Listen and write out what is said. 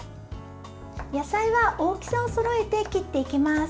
野菜は大きさをそろえて切っていきます。